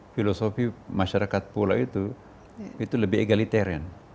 filosofi masyarakat pulau itu itu lebih egaliteran